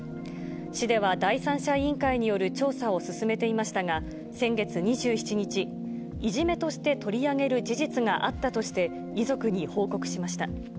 市では第三者委員会による調査を進めていましたが、先月２７日、いじめとして取り上げる事実があったとして、遺族に報告しました。